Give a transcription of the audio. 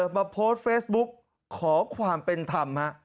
มาโพสเฟสบุ๊คขอความเป็นธรรมฮะ